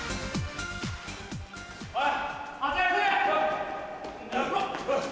おい！